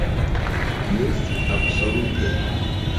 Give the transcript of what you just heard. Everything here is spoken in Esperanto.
Jes, absolute!